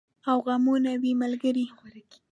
او غمونه وي ملګري